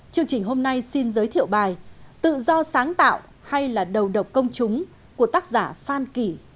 chương trình hôm nay xin giới thiệu bài tự do sáng tạo hay là đầu độc công chúng của tác giả phan kỳ